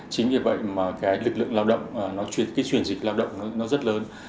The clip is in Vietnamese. chính vì vậy mà lực lượng lao động chuyển dịch lao động rất lớn